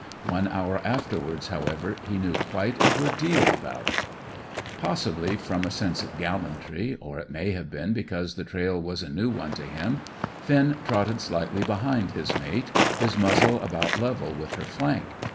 One hour afterwards, however, he knew quite a good deal about it. Possibly from a sense of gallantry, or it may have been because the trail was a new one to him, Finn trotted slightly behind his mate, his muzzle about level with her flank.